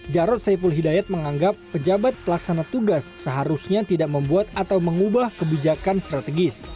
jarod saiful hidayat menganggap pejabat pelaksana tugas seharusnya tidak membuat atau mengubah kebijakan strategis